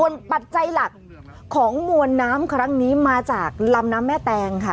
ส่วนปัจจัยหลักของมวลน้ำครั้งนี้มาจากลำน้ำแม่แตงค่ะ